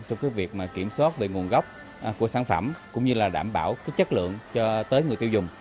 trong cái việc kiểm soát về nguồn gốc của sản phẩm cũng như là đảm bảo cái chất lượng cho tới người tiêu dùng